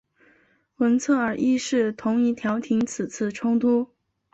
文策尔一世同意调停此次冲突。